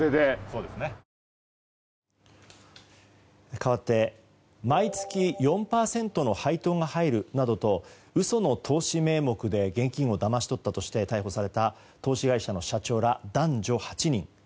かわって毎月４％の配当が入るなどと嘘の投資名目で現金をだまし取ったとして逮捕された投資会社の社長ら男女８人。